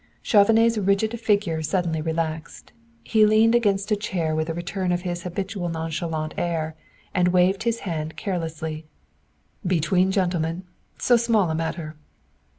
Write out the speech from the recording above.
Chauvenet's rigid figure suddenly relaxed; he leaned against a chair with a return of his habitual nonchalant air, and waved his hand carelessly. "Between gentlemen so small a matter!"